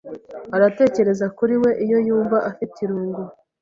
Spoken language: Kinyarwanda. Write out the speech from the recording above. Aratekereza kuri we iyo yumva afite irungu.